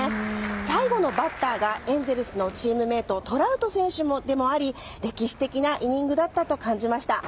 最後のバッターがエンゼルスのチームメートトラウト選手でもあり歴史的なイニングだったと感じました。